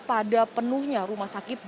pada penuhnya rumah sakit